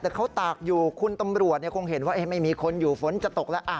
แต่เขาตากอยู่คุณตำรวจคงเห็นว่าไม่มีคนอยู่ฝนจะตกแล้ว